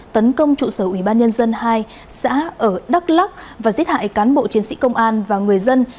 tấn công trụ sở ủy ban nhân dân hai xã ở đắk lóc và giết hại cán bộ chiến sĩ công an và người dân